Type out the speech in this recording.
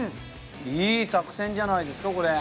いい作戦じゃないですかこれ。